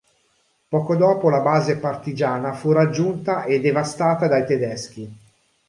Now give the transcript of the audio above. Poco dopo la base partigiana fu raggiunta e devastata dai tedeschi.